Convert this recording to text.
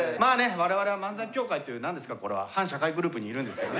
我々は漫才協会というなんですかこれは反社会グループにいるんですけどね。